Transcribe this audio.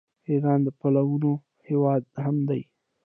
ایران د پلونو هیواد هم دی.